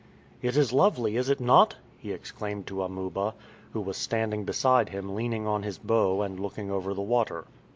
"It is lovely, is it not?" he exclaimed to Amuba, who was standing beside him leaning on his bow and looking over the water.